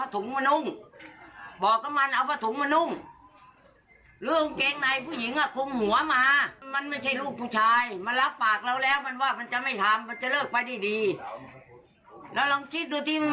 แต่ที่มึงมาทำอย่างเงี้ยทำได้ไง